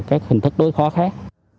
các hình thức đối phó khác